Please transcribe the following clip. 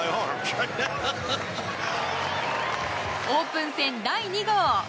オープン戦第２号。